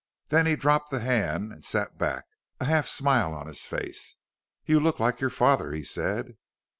Then he dropped the hand and sat back, a half smile on his face. "You look like your father," he said.